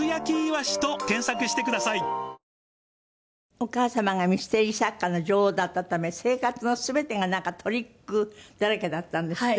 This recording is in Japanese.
お母様がミステリー作家の女王だったため生活の全てがトリックだらけだったんですって？